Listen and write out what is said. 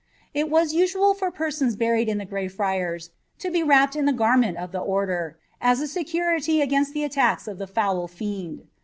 It was usual for persons buried in the Grey Friars to be wrapped in the garment of the order,' as a security against the attacks of the foul fiend.